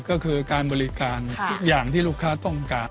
ก็คือการบริการทุกอย่างที่ลูกค้าต้องการ